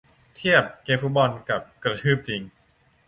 เทียบ เกมฟุตบอล กับ กระทืบจริง